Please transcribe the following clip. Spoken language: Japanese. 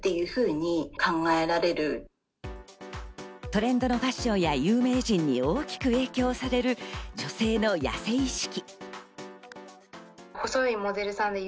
トレンドのファッションや有名人に大きく影響される女性の痩せ意識。